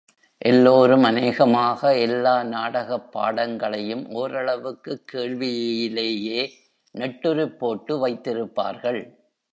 எல்லோரும் அநேகமாக எல்லா நாடகப் பாடங்களையும் ஒரளவுக்குக் கேள்வியிலேயே நெட்டுருப் போட்டு வைத்திருப்பார்கள்.